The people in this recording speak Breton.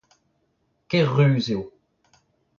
Ker-ruz eo